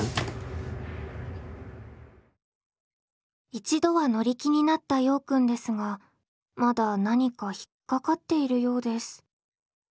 一度は乗り気になったようくんですがまだ何か引っ掛かっているようです。